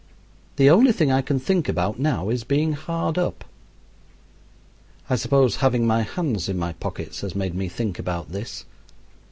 The only thing I can think about now is being hard up. I suppose having my hands in my pockets has made me think about this.